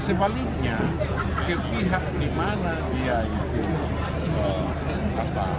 sebaliknya ketika di mana dia itu